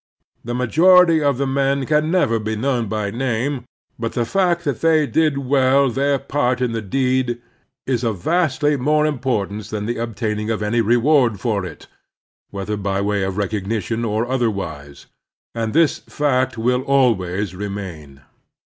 The majority of the men can never be known by name, but the fact that they did well their part in the deed is of vastly more importance than the obtaining of any reward for it, whether by way of recognition or otherwise ; and this fact will always remain.